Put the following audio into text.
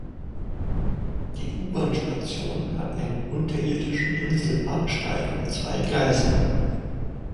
Die U-Bahn-Station hat einen unterirdischen Inselbahnsteig mit zwei Gleisen.